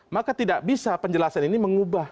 maka tidak bisa penjelasan ini mengubah